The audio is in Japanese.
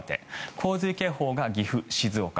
洪水警報が岐阜、静岡。